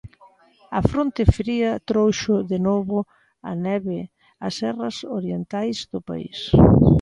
A fronte fría trouxo de novo a neve ás serras orientais do país.